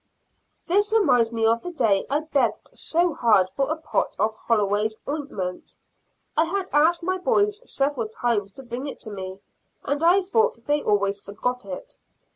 This reminds me of the day I begged so hard for a pot of Holloway's Ointment. I had asked my boys several times to bring it to me, and I thought they always forgot it.